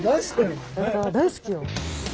大好きよ。